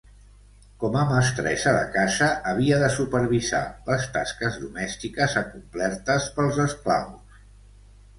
Com a mestressa de casa havia de supervisar les tasques domèstiques, acomplertes pels esclaus.